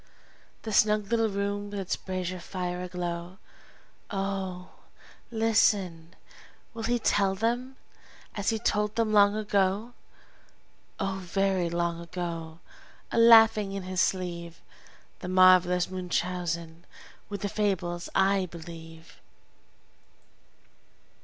The snug little room with its brazier fire aglow! Oh, listen, will he tell them, as he told them long ago, Oh, very long ago, a laughing in his sleeve! The marvelous Munchausen, with the fables I believe?